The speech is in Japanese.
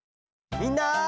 みんな！